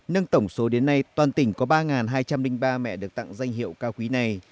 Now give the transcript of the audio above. nâng tổng số đến nay toàn tỉnh có ba hai trăm linh ba mẹ được tặng danh hiệu cao quý này